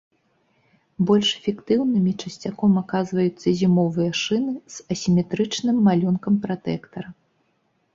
Больш эфектыўнымі часцяком аказваюцца зімовыя шыны з асіметрычным малюнкам пратэктара.